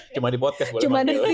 cuma di podcast boleh mbak